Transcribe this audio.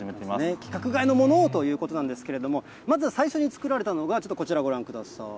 規格外のものをということなんですけれども、まず最初に作られたのが、こちら、ご覧ください。